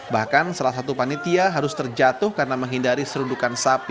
bahkan salah satu panitia harus terjatuh karena menghindari serundukan sapi